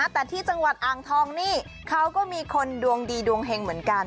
แต่ที่จังหวัดอ่างทองนี่เขาก็มีคนดวงดีดวงเห็งเหมือนกัน